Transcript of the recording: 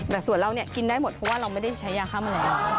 แต่ส่วนเราเนี่ยกินได้หมดเพราะว่าเราไม่ได้ใช้ยาฆ่าแมลง